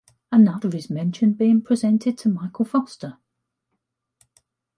Another is mentioned being presented to Michael Foster.